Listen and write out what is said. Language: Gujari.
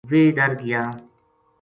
ویہ ڈر گیا